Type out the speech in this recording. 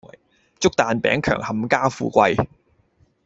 祝蛋餅强冚家富貴